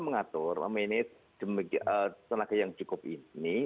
mengatur memanage tenaga yang cukup ini